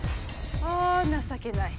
あ情けない。